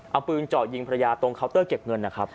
เอาปืนเจาะยิงภรรยาตรงเคาน์เตอร์เก็บเงินนะครับ